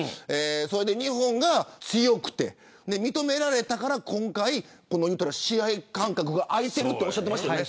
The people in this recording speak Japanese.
そこで日本が強くて認められたから今回、試合間隔が空いているといってましたね。